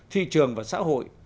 thị trường và xã hội